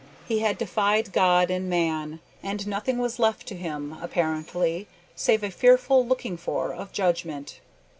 He had defied God and man, and nothing was left to him, apparently, save "a fearful looking for of judgment."